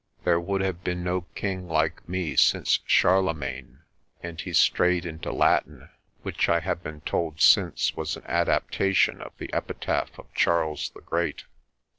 "There would have been no king like me since Charlemagne," and he strayed into Latin, which I have been told since was an adaptation of the Epitaph of Charles the Great.